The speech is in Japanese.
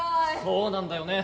「そうなんだよね。